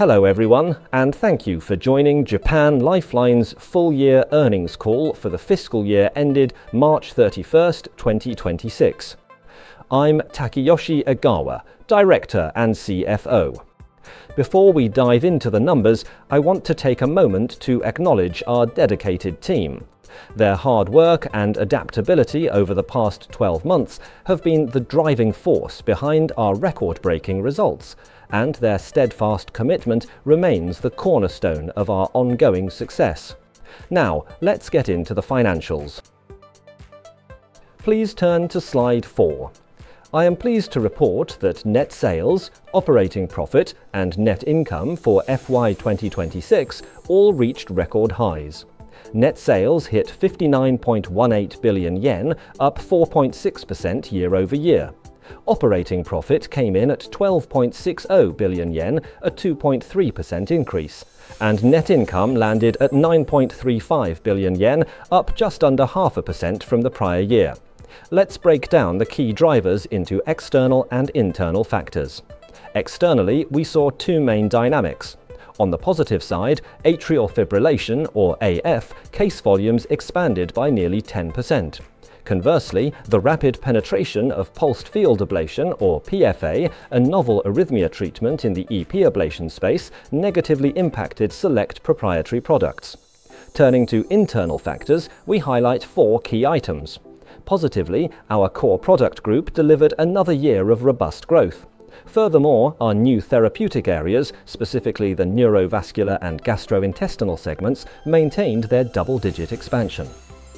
Hello, everyone, and thank you for joining Japan Lifeline's full year earnings call for the fiscal year ended March 31, 2026. I'm Takeyoshi Egawa, Director and CFO. Before we dive into the numbers, I want to take a moment to acknowledge our dedicated team. Their hard work and adaptability over the past 12 months have been the driving force behind our record-breaking results, and their steadfast commitment remains the cornerstone of our ongoing success. Let's get into the financials. Please turn to slide four. I am pleased to report that net sales, operating profit, and net income for FY 2026 all reached record highs. Net sales hit 59.18 billion yen, up 4.6% year-over-year. Operating profit came in at 12.60 billion yen, a 2.3% increase, and net income landed at 9.35 billion yen, up just under half a percent from the prior year. Let's break down the key drivers into external and internal factors. Externally, we saw two main dynamics. On the positive side, atrial fibrillation, or AF, case volumes expanded by nearly 10%. Conversely, the rapid penetration of pulsed field ablation, or PFA, a novel arrhythmia treatment in the EP ablation space, negatively impacted select proprietary products. Turning to internal factors, we highlight four key items. Positively, our core product group delivered another year of robust growth. Furthermore, our new therapeutic areas, specifically the neurovascular and gastrointestinal segments, maintained their double-digit expansion.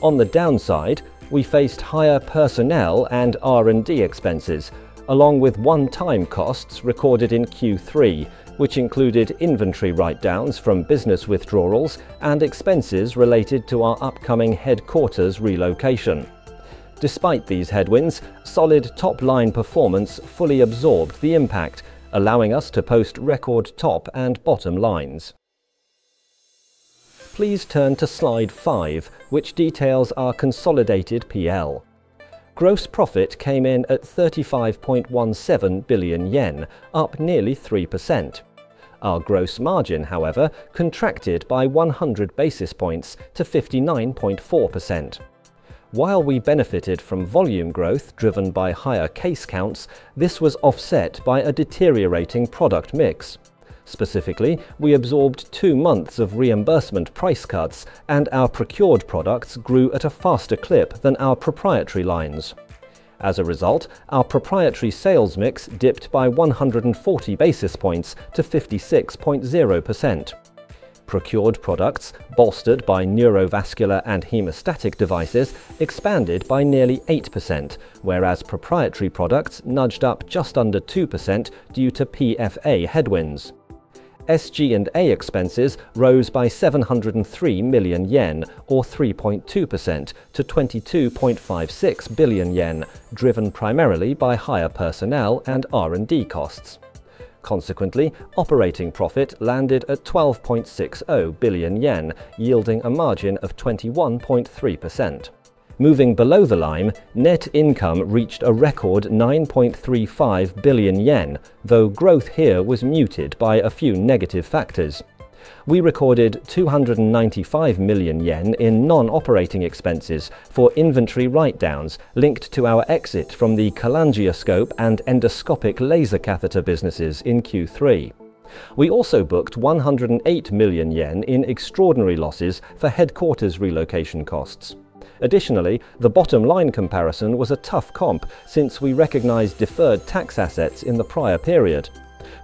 On the downside, we faced higher personnel and R&D expenses, along with one-time costs recorded in Q3, which included inventory write-downs from business withdrawals and expenses related to our upcoming headquarters relocation. Despite these headwinds, solid top-line performance fully absorbed the impact, allowing us to post record top and bottom lines. Please turn to slide five, which details our consolidated PL. Gross profit came in at 35.17 billion yen, up nearly 3%. Our gross margin, however, contracted by 100 basis points to 59.4%. While we benefited from volume growth driven by higher case counts, this was offset by a deteriorating product mix. Specifically, we absorbed two months of reimbursement price cuts, and our procured products grew at a faster clip than our proprietary lines. As a result, our proprietary sales mix dipped by 140 basis points to 56.0%. Procured products, bolstered by neurovascular and hemostatic devices, expanded by nearly 8%, whereas proprietary products nudged up just under 2% due to PFA headwinds. SG&A expenses rose by 703 million yen, or 3.2% to 22.56 billion yen, driven primarily by higher personnel and R&D costs. Consequently, operating profit landed at 12.60 billion yen, yielding a margin of 21.3%. Moving below the line, net income reached a record 9.35 billion yen, though growth here was muted by a few negative factors. We recorded 295 million yen in non-operating expenses for inventory write-downs linked to our exit from the cholangioscope and endoscopic laser ablation Catheter businesses in Q3. We also booked 108 million yen in extraordinary losses for headquarters relocation costs. Additionally, the bottom line comparison was a tough comp since we recognized deferred tax assets in the prior period.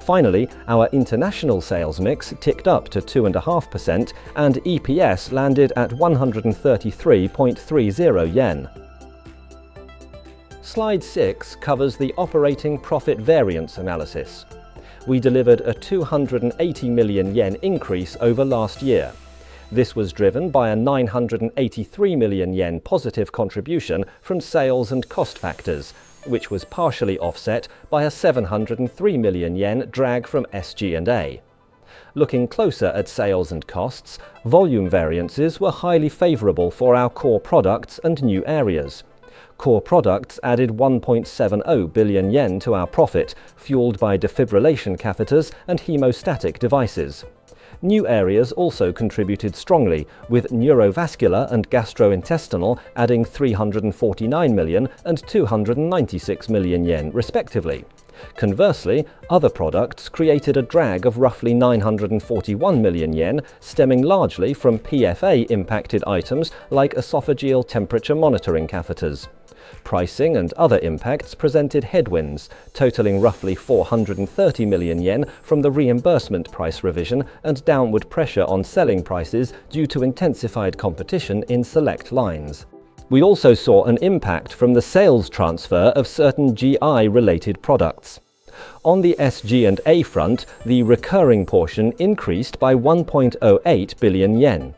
Finally, our international sales mix ticked up to 2.5%, and EPS landed at 133.30 yen. Slide six covers the operating profit variance analysis. We delivered a 280 million yen increase over last year. This was driven by a 983 million yen positive contribution from sales and cost factors, which was partially offset by a 703 million yen drag from SG&A. Looking closer at sales and costs, volume variances were highly favorable for our core products and new areas. Core products added 1.70 billion yen to our profit, fueled by defibrillation catheters and hemostatic devices. New areas also contributed strongly, with neurovascular and gastrointestinal adding 349 million and 296 million yen respectively. Conversely, other products created a drag of roughly 941 million yen, stemming largely from PFA-impacted items like esophageal temperature monitoring catheters. Pricing and other impacts presented headwinds, totaling roughly 430 million yen from the reimbursement price revision and downward pressure on selling prices due to intensified competition in select lines. We also saw an impact from the sales transfer of certain GI-related products. On the SG&A front, the recurring portion increased by 1.08 billion yen.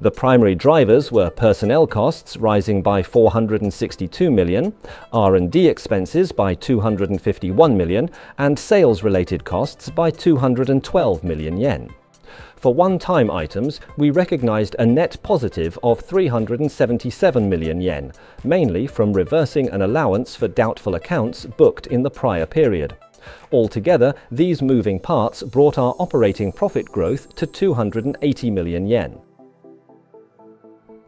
The primary drivers were personnel costs rising by 462 million, R&D expenses by 251 million, and sales-related costs by 212 million yen. For one-time items, we recognized a net positive of 377 million yen, mainly from reversing an allowance for doubtful accounts booked in the prior period. Altogether, these moving parts brought our operating profit growth to 280 million yen.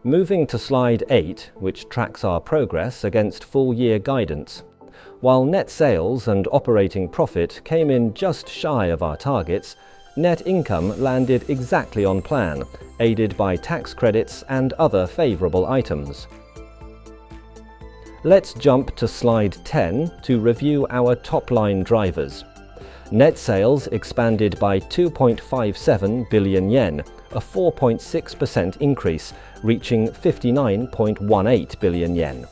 Moving to slide eight, which tracks our progress against full year guidance. While net sales and operating profit came in just shy of our targets, net income landed exactly on plan, aided by tax credits and other favorable items. Let's jump to slide 10 to review our top line drivers. Net sales expanded by 2.57 billion yen, a 4.6% increase, reaching 59.18 billion yen.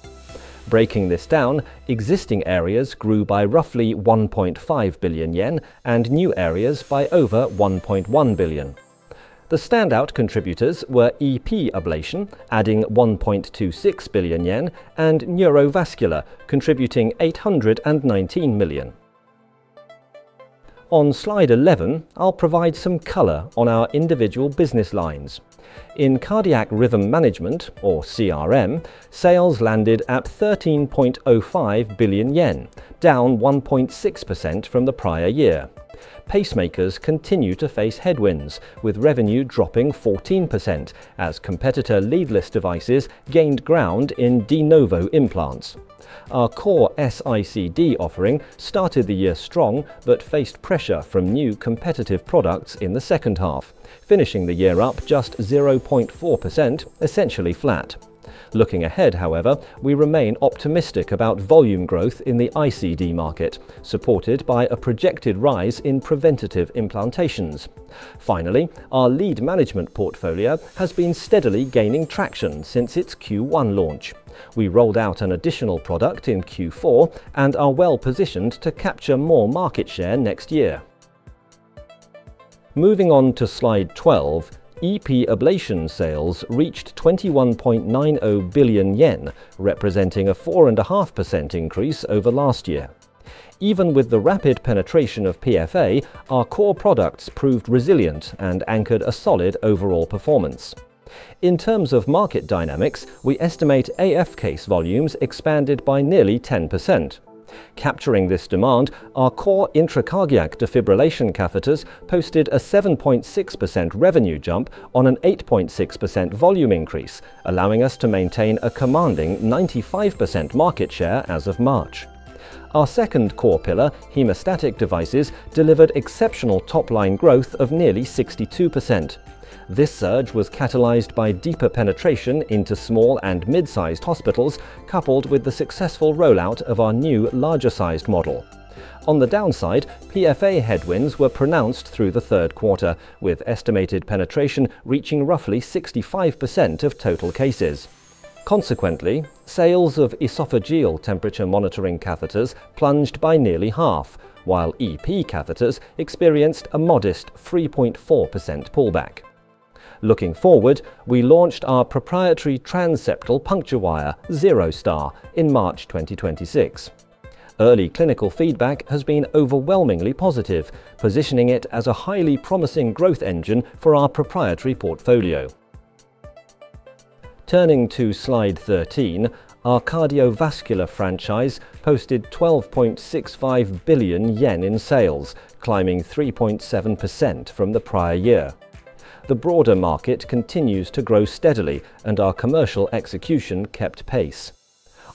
Breaking this down, existing areas grew by roughly 1.5 billion yen and new areas by over 1.1 billion. The standout contributors were EP ablation, adding 1.26 billion yen, and neurovascular, contributing 819 million. On slide 11, I'll provide some color on our individual business lines. In cardiac rhythm management or CRM, sales landed at 13.05 billion yen, down 1.6% from the prior year. Pacemakers continue to face headwinds, with revenue dropping 14% as competitor leadless devices gained ground in de novo implants. Our core SICD offering started the year strong but faced pressure from new competitive products in the second half, finishing the year up just 0.4%, essentially flat. Looking ahead, however, we remain optimistic about volume growth in the ICD market, supported by a projected rise in preventative implantations. Finally, our lead management portfolio has been steadily gaining traction since its Q1 launch. We rolled out an additional product in Q4 and are well-positioned to capture more market share next year. Moving on to slide 12, EP ablation sales reached 21.90 billion yen, representing a 4.5% increase over last year. Even with the rapid penetration of PFA, our core products proved resilient and anchored a solid overall performance. In terms of market dynamics, we estimate AF case volumes expanded by nearly 10%. Capturing this demand, our core intracardiac defibrillation catheters posted a 7.6% revenue jump on an 8.6% volume increase, allowing us to maintain a commanding 95% market share as of March. Our second core pillar, hemostatic devices, delivered exceptional top-line growth of nearly 62%. This surge was catalyzed by deeper penetration into small and mid-sized hospitals, coupled with the successful rollout of our new larger sized model. On the downside, PFA headwinds were pronounced through the third quarter, with estimated penetration reaching roughly 65% of total cases. Consequently, sales of esophageal temperature monitoring catheters plunged by nearly half, while EP catheters experienced a modest 3.4% pullback. Looking forward, we launched our proprietary transseptal puncture wire, XEROstar, in March 2026. Early clinical feedback has been overwhelmingly positive, positioning it as a highly promising growth engine for our proprietary portfolio. Turning to slide 13, our cardiovascular franchise posted 12.65 billion yen in sales, climbing 3.7% from the prior year. The broader market continues to grow steadily, and our commercial execution kept pace.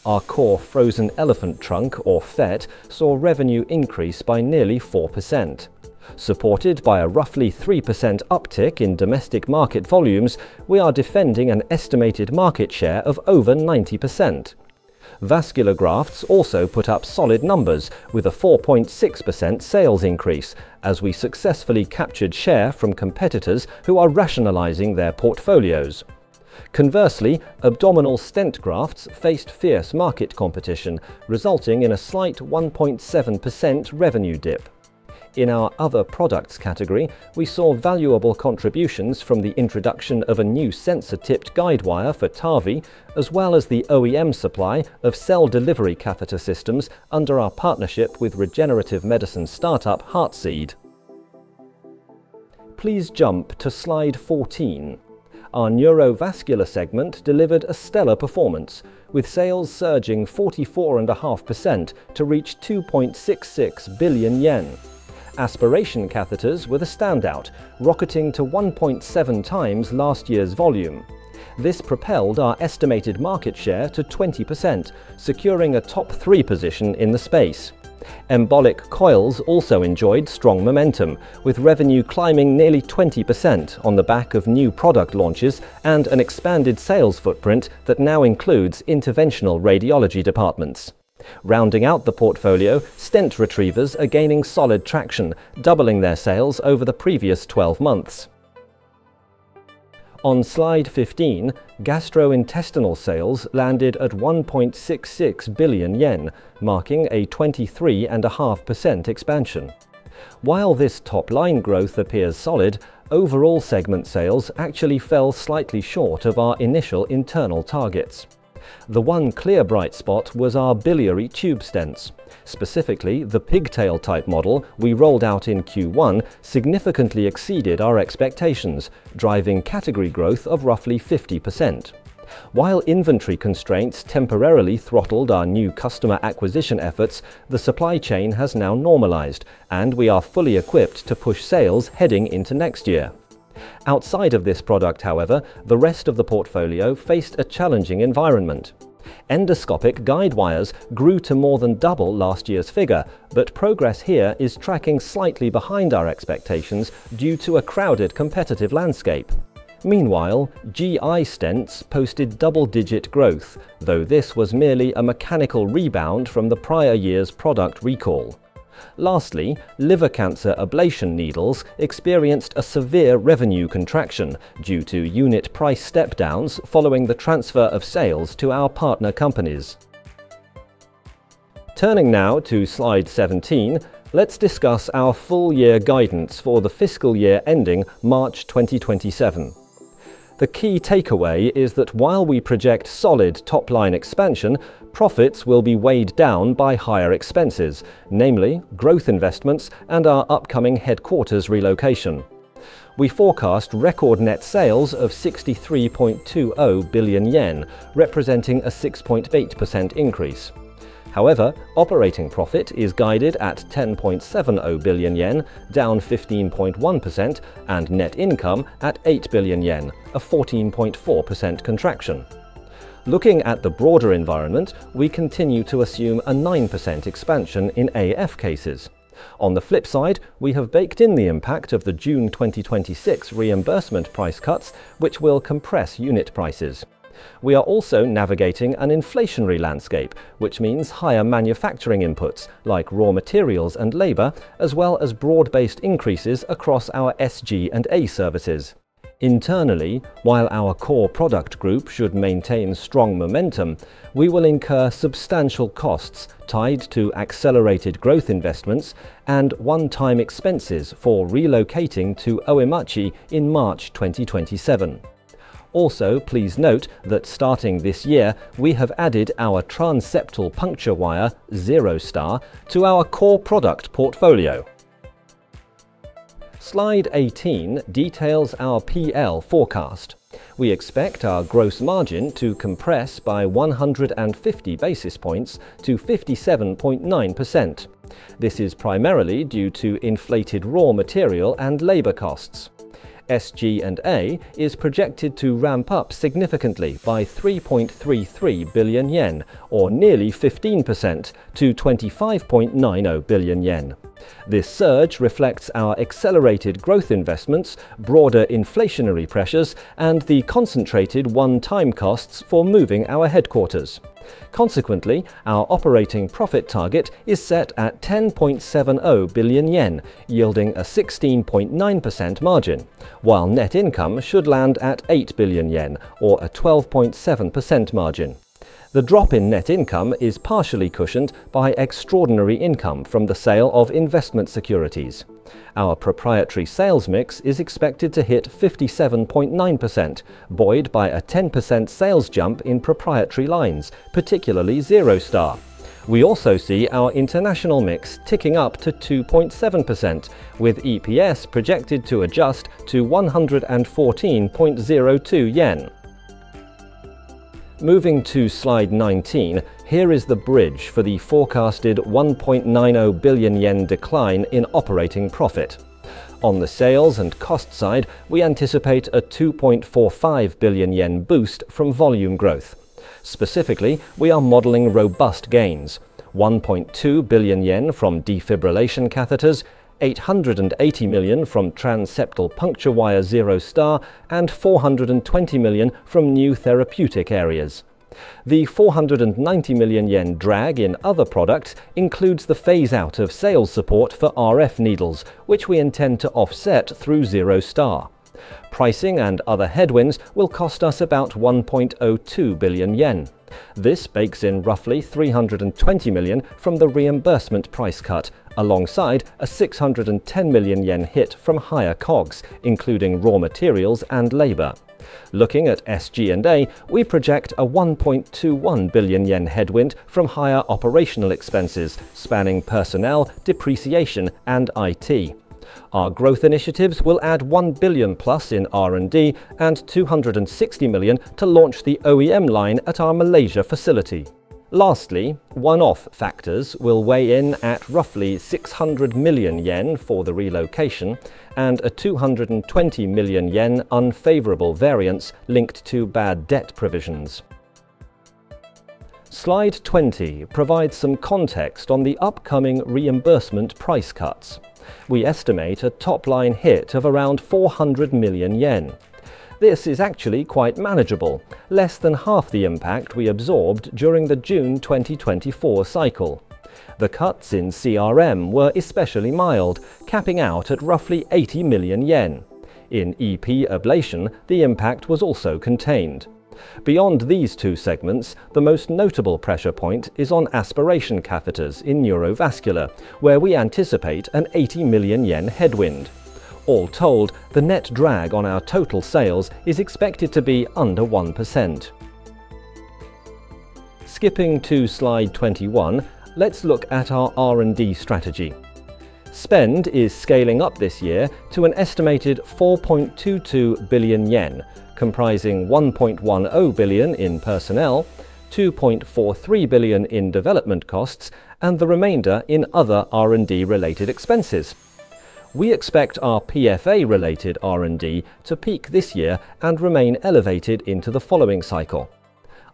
Our core frozen elephant trunk or FET saw revenue increase by nearly 4%. Supported by a roughly 3% uptick in domestic market volumes, we are defending an estimated market share of over 90%. Vascular grafts also put up solid numbers with a 4.6% sales increase as we successfully captured share from competitors who are rationalizing their portfolios. Abdominal stent grafts faced fierce market competition, resulting in a slight 1.7% revenue dip. In our other products category, we saw valuable contributions from the introduction of a new sensor-tipped guidewire for TAVI, as well as the OEM supply of cell delivery catheter systems under our partnership with regenerative medicine startup Heartseed. Please jump to slide 14. Our neurovascular segment delivered a stellar performance, with sales surging 44.5% to reach 2.66 billion yen. Aspiration catheters were the standout, rocketing to 1.7x last year's volume. This propelled our estimated market share to 20%, securing a top three position in the space. Embolic coils also enjoyed strong momentum, with revenue climbing nearly 20% on the back of new product launches and an expanded sales footprint that now includes interventional radiology departments. Rounding out the portfolio, stent retrievers are gaining solid traction, doubling their sales over the previous 12 months. On slide 15, gastrointestinal sales landed at 1.66 billion yen, marking a 23.5% expansion. While this top-line growth appears solid, overall segment sales actually fell slightly short of our initial internal targets. The one clear bright spot was our biliary tube stents. Specifically, the pigtail-type model we rolled out in Q1 significantly exceeded our expectations, driving category growth of roughly 50%. While inventory constraints temporarily throttled our new customer acquisition efforts, the supply chain has now normalized, we are fully equipped to push sales heading into next year. Outside of this product, however, the rest of the portfolio faced a challenging environment. Endoscopic guide wires grew to more than double last year's figure, progress here is tracking slightly behind our expectations due to a crowded competitive landscape. Meanwhile, GI stents posted double-digit growth, though this was merely a mechanical rebound from the prior year's product recall. Lastly, liver cancer ablation needles experienced a severe revenue contraction due to unit price step-downs following the transfer of sales to our partner companies. Turning now to slide 17, let's discuss our full year guidance for the fiscal year ending March 2027. The key takeaway is that while we project solid top-line expansion, profits will be weighed down by higher expenses, namely growth investments and our upcoming headquarters relocation. We forecast record net sales of 63.20 billion yen, representing a 6.8% increase. Operating profit is guided at 10.70 billion yen, down 15.1%, and net income at 8 billion yen, a 14.4% contraction. Looking at the broader environment, we continue to assume a 9% expansion in AF cases. On the flip side, we have baked in the impact of the June 2026 reimbursement price cuts, which will compress unit prices. We are also navigating an inflationary landscape, which means higher manufacturing inputs like raw materials and labor, as well as broad-based increases across our SG&A services. Internally, while our core product group should maintain strong momentum, we will incur substantial costs tied to accelerated growth investments and one-time expenses for relocating to Oimachi in March 2027. Please note that starting this year, we have added our transseptal puncture wire, XEROstar, to our core product portfolio. Slide 18 details our PL forecast. We expect our gross margin to compress by 150 basis points to 57.9%. This is primarily due to inflated raw material and labor costs. SG&A is projected to ramp up significantly by 3.33 billion yen, or nearly 15% to 25.90 billion yen. This surge reflects our accelerated growth investments, broader inflationary pressures, and the concentrated one-time costs for moving our headquarters. Consequently, our operating profit target is set at 10.70 billion yen, yielding a 16.9% margin, while net income should land at 8 billion yen or a 12.7% margin. The drop in net income is partially cushioned by extraordinary income from the sale of investment securities. Our proprietary sales mix is expected to hit 57.9%, buoyed by a 10% sales jump in proprietary lines, particularly XEROstar. We also see our international mix ticking up to 2.7%, with EPS projected to adjust to 114.02 yen. Moving to slide 19, here is the bridge for the forecasted 1.90 billion yen decline in operating profit. On the sales and cost side, we anticipate a 2.45 billion yen boost from volume growth. Specifically, we are modeling robust gains: 1.2 billion yen from defibrillation catheters, 880 million from transseptal puncture wire XEROstar, and 420 million from new therapeutic areas. The 490 million yen drag in other products includes the phase out of sales support for RF needles, which we intend to offset through XEROstar. Pricing and other headwinds will cost us about 1.02 billion yen. This bakes in roughly 320 million from the reimbursement price cut, alongside a 610 million yen hit from higher COGS, including raw materials and labor. Looking at SG&A, we project a 1.21 billion yen headwind from higher operational expenses, spanning personnel, depreciation, and IT. Our growth initiatives will add 1 billion+ in R&D and 260 million to launch the OEM line at our Malaysia facility. Lastly, one-off factors will weigh in at roughly 600 million yen for the relocation and a 220 million yen unfavorable variance linked to bad debt provisions. Slide 20 provides some context on the upcoming reimbursement price cuts. We estimate a top-line hit of around 400 million yen. This is actually quite manageable, less than half the impact we absorbed during the June 2024 cycle. The cuts in CRM were especially mild, capping out at roughly 80 million yen. In EP ablation, the impact was also contained. Beyond these two segments, the most notable pressure point is on aspiration catheters in neurovascular, where we anticipate an 80 million yen headwind. All told, the net drag on our total sales is expected to be under 1%. Skipping to slide 21, let's look at our R&D strategy. Spend is scaling up this year to an estimated 4.22 billion yen, comprising 1.1 billion in personnel, 2.43 billion in development costs, and the remainder in other R&D related expenses. We expect our PFA related R&D to peak this year and remain elevated into the following cycle.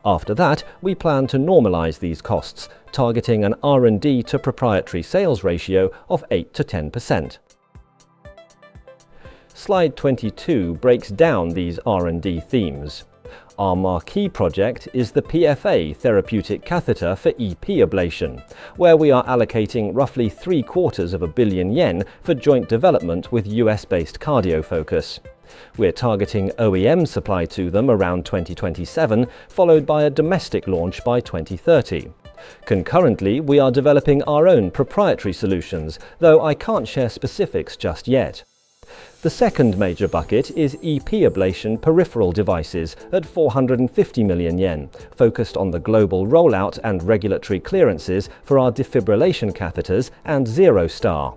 After that, we plan to normalize these costs, targeting an R&D to proprietary sales ratio of 8%-10%. Slide 22 breaks down these R&D themes. Our marquee project is the PFA therapeutic catheter for EP ablation, where we are allocating roughly three-quarters of a billion JPY for joint development with U.S.-based CardioFocus. We're targeting OEM supply to them around 2027, followed by a domestic launch by 2030. Concurrently, we are developing our own proprietary solutions, though I can't share specifics just yet. The second major bucket is EP ablation peripheral devices at 450 million yen, focused on the global rollout and regulatory clearances for our defibrillation catheters and XEROstar.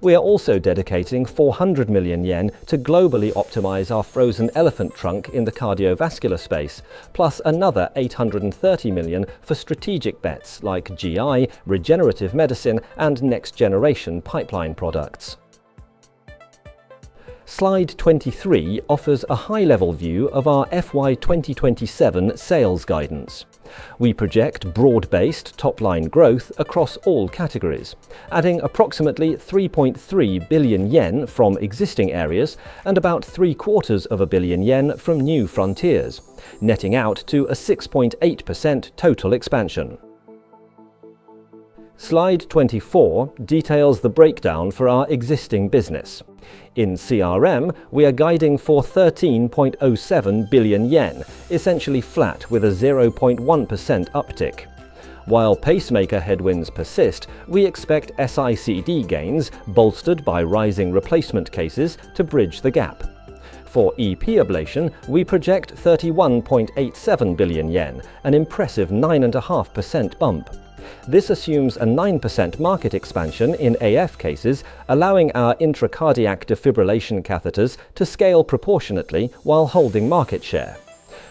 We are also dedicating 400 million yen to globally optimize our frozen elephant trunk in the cardiovascular space, plus another 830 million for strategic bets like GI, regenerative medicine, and next-generation pipeline products. Slide 23 offers a high-level view of our FY 2027 sales guidance. We project broad-based top-line growth across all categories, adding approximately 3.3 billion yen from existing areas and about three-quarters of a billion JPY from new frontiers, netting out to a 6.8% total expansion. Slide 24 details the breakdown for our existing business. In CRM, we are guiding for 13.07 billion yen, essentially flat with a 0.1% uptick. While pacemaker headwinds persist, we expect SICD gains bolstered by rising replacement cases to bridge the gap. For EP ablation, we project 31.87 billion yen, an impressive 9.5% bump. This assumes a 9% market expansion in AF cases, allowing our intracardiac defibrillation catheters to scale proportionately while holding market share.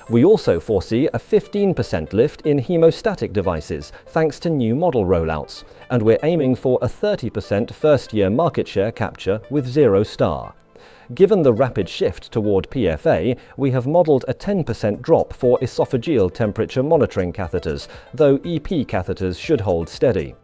We also foresee a 15% lift in hemostatic devices, thanks to new model rollouts, and we're aiming for a 30% first-year market share capture with XEROstar. Given the rapid shift toward PFA, we have modeled a 10% drop for esophageal temperature monitoring catheters, though EP catheters should hold steady.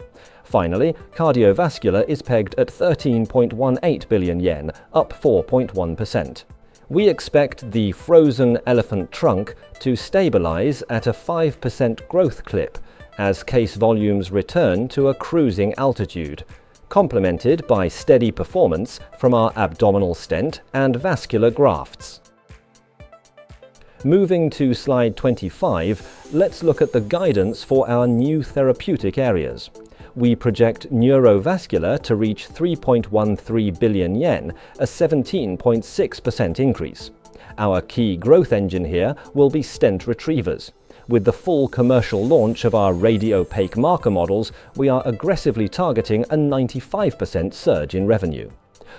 Finally, cardiovascular is pegged at 13.18 billion yen, up 4.1%. We expect the frozen elephant trunk to stabilize at a 5% growth clip as case volumes return to a cruising altitude, complemented by steady performance from our abdominal stent grafts and vascular grafts. Moving to slide 25, let's look at the guidance for our new therapeutic areas. We project neurovascular to reach 3.13 billion yen, a 17.6% increase. Our key growth engine here will be stent retrievers. With the full commercial launch of our radiopaque marker models, we are aggressively targeting a 95% surge in revenue.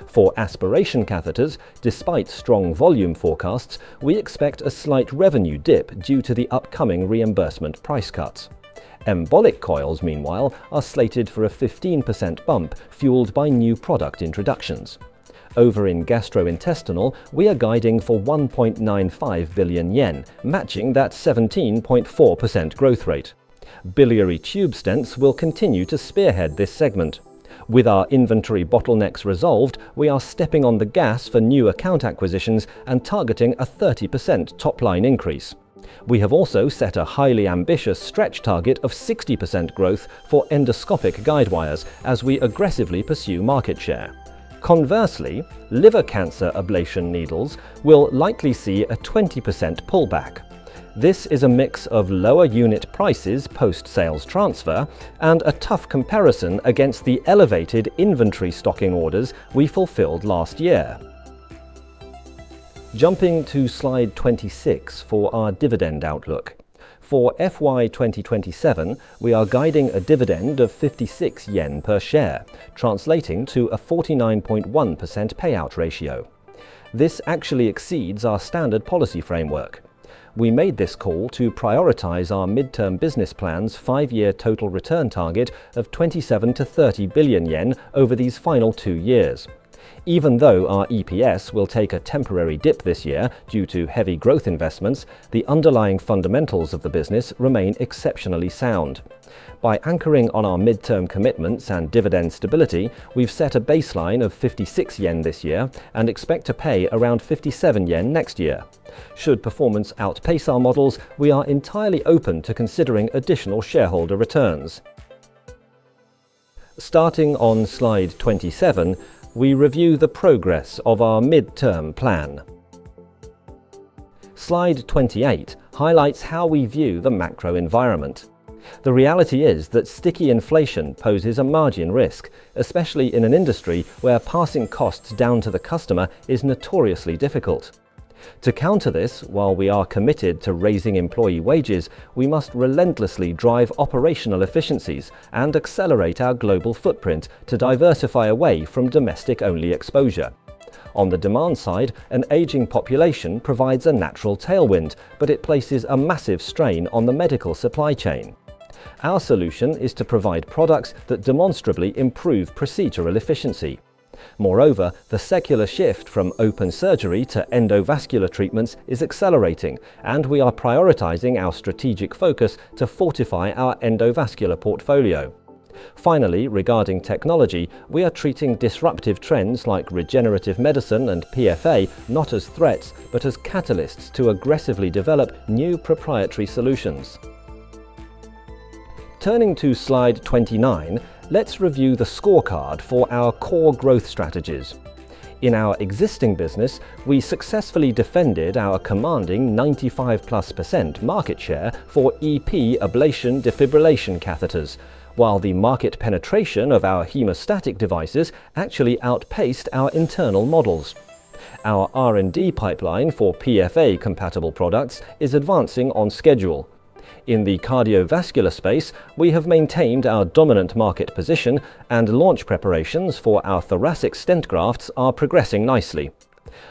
For aspiration catheters, despite strong volume forecasts, we expect a slight revenue dip due to the upcoming reimbursement price cuts. Embolic coils, meanwhile, are slated for a 15% bump fueled by new product introductions. Over in gastrointestinal, we are guiding for 1.95 billion yen, matching that 17.4% growth rate. Biliary tube stents will continue to spearhead this segment. With our inventory bottlenecks resolved, we are stepping on the gas for new account acquisitions and targeting a 30% top-line increase. We have also set a highly ambitious stretch target of 60% growth for endoscopic guide wires as we aggressively pursue market share. Liver cancer ablation needles will likely see a 20% pullback. This is a mix of lower unit prices post-sales transfer and a tough comparison against the elevated inventory stocking orders we fulfilled last year. Jumping to slide 26 for our dividend outlook. For FY 2027, we are guiding a dividend of 56 yen per share, translating to a 49.1% payout ratio. This actually exceeds our standard policy framework. We made this call to prioritize our midterm business plan's five-year total return target of 27 billion-30 billion yen over these final two years. Even though our EPS will take a temporary dip this year due to heavy growth investments, the underlying fundamentals of the business remain exceptionally sound. By anchoring on our midterm commitments and dividend stability, we've set a baseline of 56 yen this year and expect to pay around 57 yen next year. Should performance outpace our models, we are entirely open to considering additional shareholder returns. Starting on slide 27, we review the progress of our midterm plan. Slide 28 highlights how we view the macro environment. The reality is that sticky inflation poses a margin risk, especially in an industry where passing costs down to the customer is notoriously difficult. To counter this, while we are committed to raising employee wages, we must relentlessly drive operational efficiencies and accelerate our global footprint to diversify away from domestic-only exposure. On the demand side, an aging population provides a natural tailwind, but it places a massive strain on the medical supply chain. Our solution is to provide products that demonstrably improve procedural efficiency. The secular shift from open surgery to endovascular treatments is accelerating, and we are prioritizing our strategic focus to fortify our endovascular portfolio. Regarding technology, we are treating disruptive trends like regenerative medicine and PFA not as threats, but as catalysts to aggressively develop new proprietary solutions. Turning to slide 29, let's review the scorecard for our core growth strategies. In our existing business, we successfully defended our commanding 95+% market share for EP ablation defibrillation catheters, while the market penetration of our hemostatic devices actually outpaced our internal models. Our R&D pipeline for PFA-compatible products is advancing on schedule. In the cardiovascular space, we have maintained our dominant market position and launch preparations for our thoracic stent grafts are progressing nicely.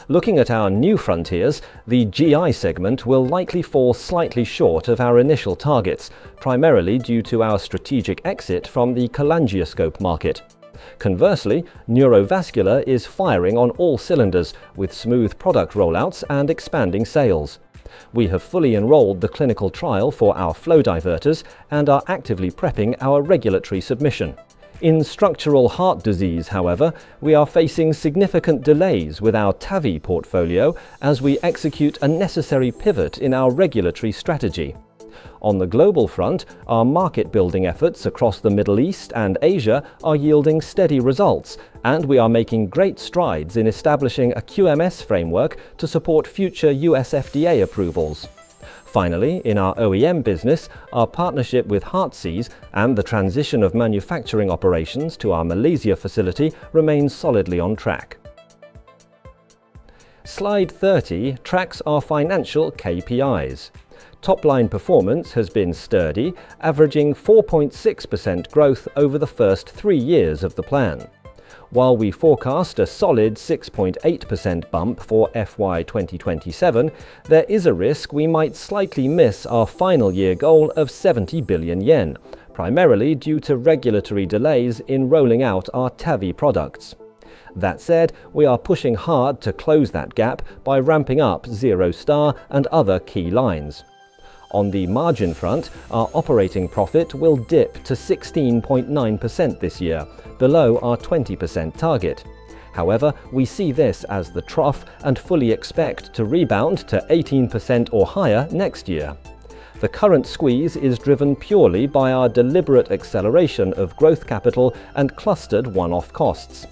Looking at our new frontiers, the GI segment will likely fall slightly short of our initial targets, primarily due to our strategic exit from the cholangioscope market. Conversely, neurovascular is firing on all cylinders with smooth product rollouts and expanding sales. We have fully enrolled the clinical trial for our flow diverters and are actively prepping our regulatory submission. In structural heart disease, however, we are facing significant delays with our TAVI portfolio as we execute a necessary pivot in our regulatory strategy. On the global front, our market building efforts across the Middle East and Asia are yielding steady results, and we are making great strides in establishing a QMS framework to support future U.S. FDA approvals. In our OEM business, our partnership with Heartseed and the transition of manufacturing operations to our Malaysia facility remains solidly on track. Slide 30 tracks our financial KPIs. Top-line performance has been sturdy, averaging 4.6% growth over the first three years of the plan. While we forecast a solid 6.8% bump for FY 2027, there is a risk we might slightly miss our final year goal of 70 billion yen, primarily due to regulatory delays in rolling out our TAVI products. That said, we are pushing hard to close that gap by ramping up XEROstar and other key lines. On the margin front, our operating profit will dip to 16.9% this year, below our 20% target. However, we see this as the trough and fully expect to rebound to 18% or higher next year. The current squeeze is driven purely by our deliberate acceleration of growth capital and clustered one-off costs.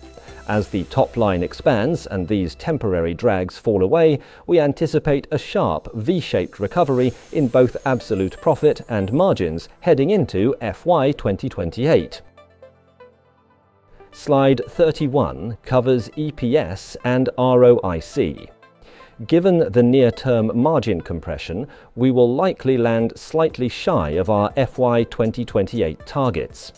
As the top line expands and these temporary drags fall away, we anticipate a sharp V-shaped recovery in both absolute profit and margins heading into FY 2028. Slide 31 covers EPS and ROIC. Given the near-term margin compression, we will likely land slightly shy of our FY 2028 targets.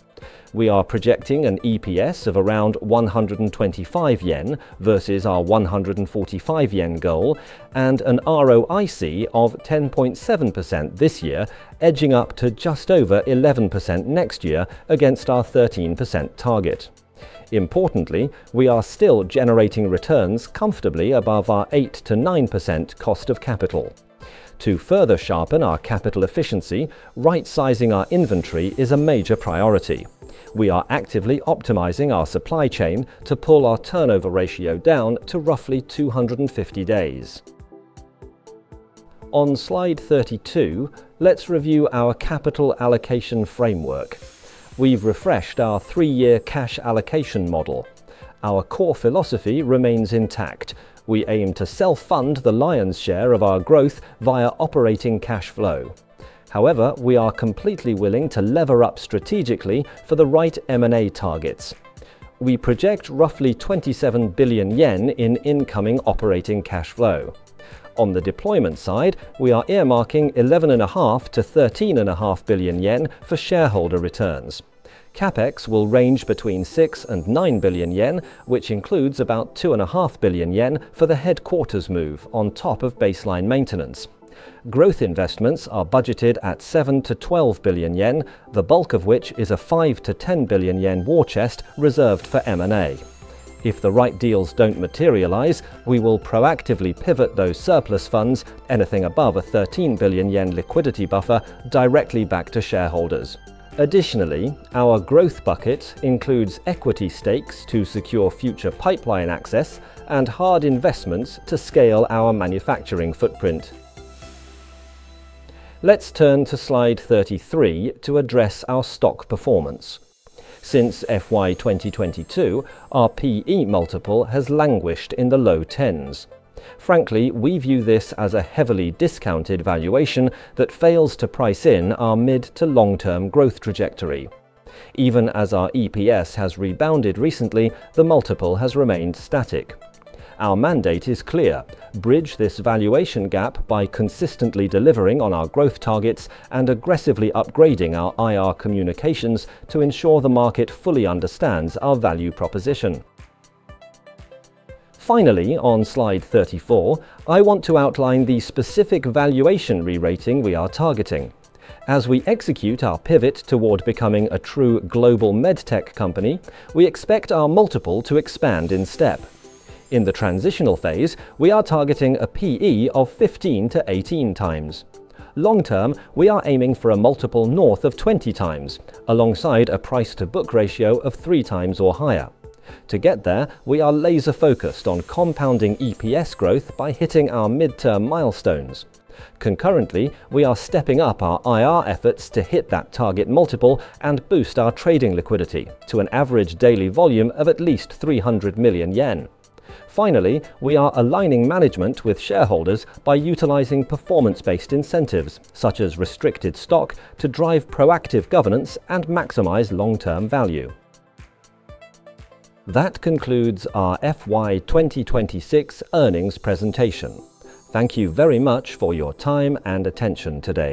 We are projecting an EPS of around 125 yen versus our 145 yen goal and an ROIC of 10.7% this year, edging up to just over 11% next year against our 13% target. Importantly, we are still generating returns comfortably above our 8%-9% cost of capital. To further sharpen our capital efficiency, right-sizing our inventory is a major priority. We are actively optimizing our supply chain to pull our turnover ratio down to roughly 250 days. On slide 32, let's review our capital allocation framework. We've refreshed our three-year cash allocation model. Our core philosophy remains intact. We aim to self-fund the lion's share of our growth via operating cash flow. However, we are completely willing to lever up strategically for the right M&A targets. We project roughly 27 billion yen in incoming operating cash flow. On the deployment side, we are earmarking 11.5 billion-13.5 billion yen for shareholder returns. CapEx will range between 6 billion-9 billion yen, which includes about 2.5 billion yen for the headquarters move on top of baseline maintenance. Growth investments are budgeted at 7 billion-12 billion yen, the bulk of which is a 5 billion-10 billion yen war chest reserved for M&A. If the right deals don't materialize, we will proactively pivot those surplus funds, anything above a 13 billion yen liquidity buffer, directly back to shareholders. Additionally, our growth bucket includes equity stakes to secure future pipeline access and hard investments to scale our manufacturing footprint. Let's turn to slide 33 to address our stock performance. Since FY 2022, our P/E multiple has languished in the low 10s. Frankly, we view this as a heavily discounted valuation that fails to price in our mid to long-term growth trajectory. Even as our EPS has rebounded recently, the multiple has remained static. Our mandate is clear: bridge this valuation gap by consistently delivering on our growth targets and aggressively upgrading our IR communications to ensure the market fully understands our value proposition. Finally, on slide 34, I want to outline the specific valuation re-rating we are targeting. As we execute our pivot toward becoming a true global med tech company, we expect our multiple to expand in step. In the transitional phase, we are targeting a P/E of 15 to 18x. Long term, we are aiming for a multiple north of 20x alongside a price-to-book ratio of 3x or higher. To get there, we are laser-focused on compounding EPS growth by hitting our midterm milestones. Concurrently, we are stepping up our IR efforts to hit that target multiple and boost our trading liquidity to an average daily volume of at least 300 million yen. We are aligning management with shareholders by utilizing performance-based incentives such as restricted stock to drive proactive governance and maximize long-term value. That concludes our FY 2026 earnings presentation. Thank you very much for your time and attention today.